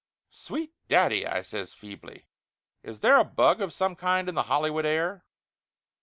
"Sweet daddy !" I says feebly. "Is there a bug of some kind in the Hollywood air?"